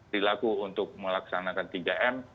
berlaku untuk melaksanakan tiga m